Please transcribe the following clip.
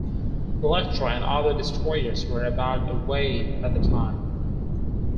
"Electra" and other destroyers were about away at the time.